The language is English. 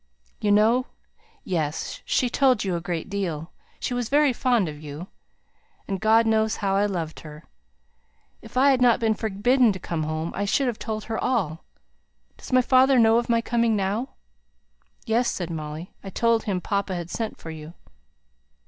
"You know Yes! she told you a great deal she was very fond of you. And God knows how I loved her. If I had not been forbidden to come home, I should have told her all. Does my father know of my coming now?" "Yes," said Molly; "I told him papa had sent for you."